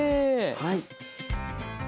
はい。